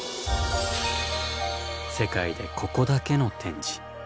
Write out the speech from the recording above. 世界でここだけの展示。